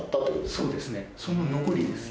そうですねその残りです